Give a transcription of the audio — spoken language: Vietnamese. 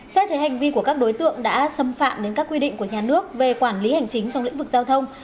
xét thấy hành vi của các đối tượng đã xâm phạm đến các quy định của nhà nước về quản lý hành chính trong lĩnh vực giao thông